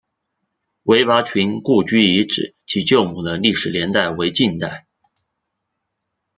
韦拔群故居遗址及旧墓的历史年代为近代。